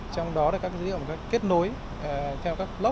trong đó là các dữ liệu kết nối theo các block